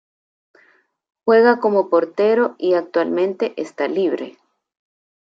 Juega como portero y actualmente esta libre.